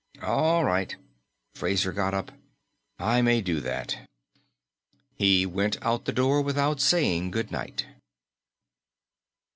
"All right." Fraser got up. "I may do that." He went out the door without saying goodnight.